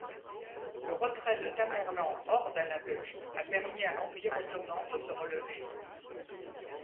Le retrait de Tamerlan hors d'Anatolie a permis à l'empire ottoman de se relever.